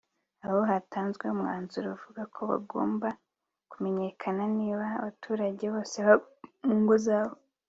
aho hatanzwe umwanzuro uvuga ko hagomba kumenyekana niba abaturage bose baba mu ngo zabo